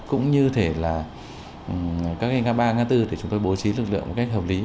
cũng như thế là các ngã ba ngã tư để chúng tôi bố trí lực lượng một cách hợp lý